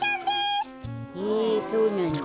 へえそうなんだ。